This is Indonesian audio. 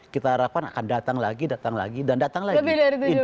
kita harapkan akan datang lagi datang lagi dan datang lagi